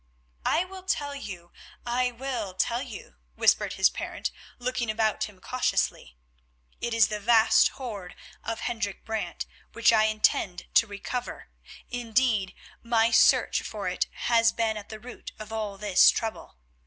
"I will tell you, I will tell you," whispered his parent, looking about him cautiously; "it is the vast hoard of Hendrik Brant which I intend to recover; indeed, my search for it has been at the root of all this trouble.